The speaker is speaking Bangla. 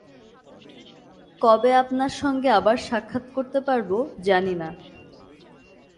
কবে আপনার সঙ্গে আবার সাক্ষাৎ করতে পারব জানি না।